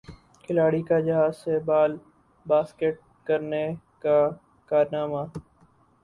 کھلاڑی کا جہاز سے بال باسکٹ کرنے کا کارنامہ